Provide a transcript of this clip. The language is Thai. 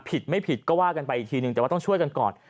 ผิดไม่ผิดก็ว่ากันไปอีกทีนึงแต่ว่าต้องช่วยกันก่อน